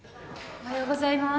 ・おはようございます。